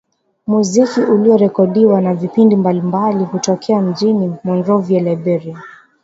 muziki uliorekodiwa na vipindi mbalimbali kutokea mjini Monrovia Liberia